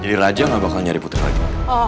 jadi raja tidak akan mencari putri lagi